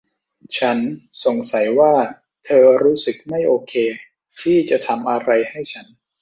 ฉันสงสัยว่าเธอรู้สึกไม่โอเคที่จะทำอะไรให้ฉัน